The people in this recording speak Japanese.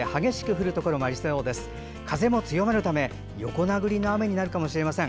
風も強まるため横殴りの雨になるかもしれません。